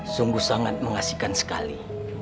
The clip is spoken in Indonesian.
sungguh sangat mengasihkan sekali